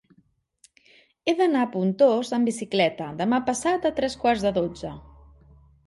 He d'anar a Pontós amb bicicleta demà passat a tres quarts de dotze.